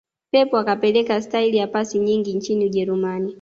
pep akapeleka staili ya pasi nyingi nchini ujerumani